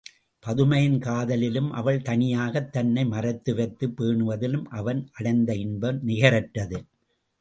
பதுமையின் காதலிலும், அவள் தனியாகத் தன்னை மறைத்து வைத்துப் பேணுவதிலும் அவன் அடைந்த இன்பம் நிகரற்றது.